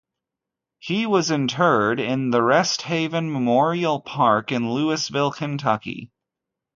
He was interred in the Resthaven Memorial Park, in Louisville, Kentucky.